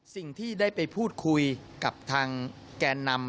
สิ่งที่ได้ไปพูดคุยกับทางแกนนำ